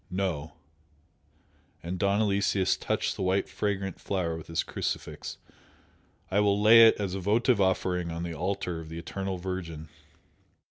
"No, " and Don Aloysius touched the white fragrant flower with his crucifix "I will lay it as a votive offering on the altar of the Eternal Virgin!"